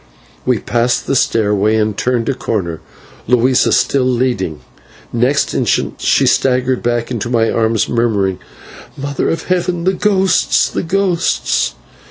We passed the stairway and turned a corner, Luisa still leading. Next instant she staggered back into my arms, murmuring, "Mother of Heaven! the ghosts! the ghosts!"